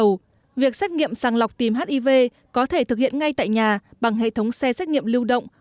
vì vậy việc xét nghiệm sàng lọc tìm hiv có thể thực hiện ngay tại nhà bằng hệ thống xe xét nghiệm lưu động